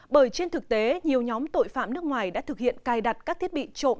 bởi trên thực tế nhiều nhóm tội phạm nước ngoài đã thực hiện cài đặt các thiết bị trộm